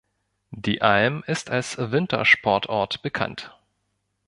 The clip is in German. Die Alm ist als Wintersportort bekannt.